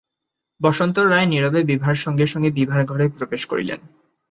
বসন্ত রায় নীরবে বিভার সঙ্গে সঙ্গে বিভার ঘরে প্রবেশ করিলেন।